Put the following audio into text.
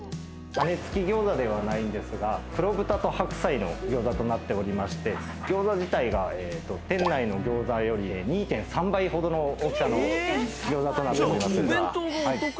羽根付き餃子ではないんですが黒豚と白菜の餃子となっておりまして餃子自体が店内の餃子より２．３倍ほどの大きさの餃子となっております。